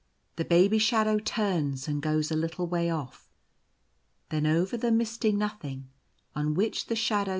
The Baby shadow turns, and goes a little way off. Then over the misty Nothing on which the shadows fall, ■